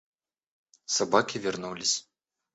Собаки вернулись.